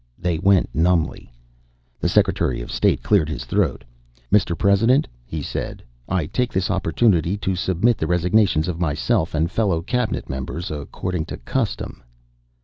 They went, numbly. The Secretary of State cleared his throat. "Mr. President," he said, "I take this opportunity to submit the resignations of myself and fellow Cabinet members according to custom."